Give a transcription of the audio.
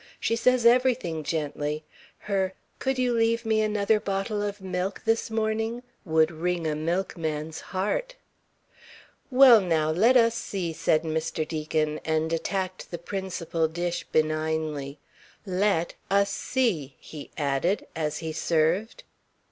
She says everything gently. Her "Could you leave me another bottle of milk this morning?" would wring a milkman's heart. "Well, now, let us see," said Mr. Deacon, and attacked the principal dish benignly. "Let us see," he added, as he served.